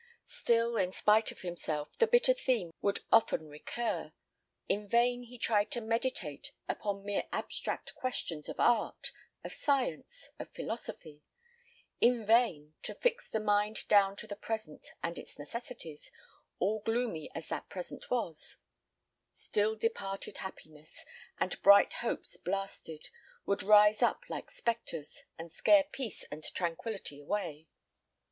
Still, in spite of himself, the bitter theme would often recur; in vain he tried to meditate upon mere abstract questions of art, of science, of philosophy; in vain, to fix the mind down to the present and its necessities, all gloomy as that present was; still departed happiness, and bright hopes blasted, would rise up like spectres, and scare peace and tranquillity away.